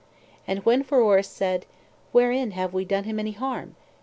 And when Pheroras said, Wherein have we done him any harm?